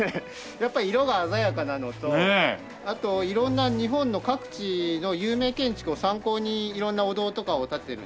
やっぱり色が鮮やかなのとあと色んな日本の各地の有名建築を参考に色んなお堂とかを建ててるんですよ。